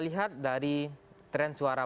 lihat dari tren suara